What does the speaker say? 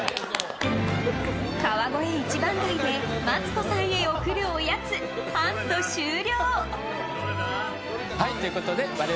川越一番街でマツコさんへ贈るおやつハント終了！